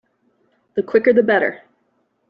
The quicker the better.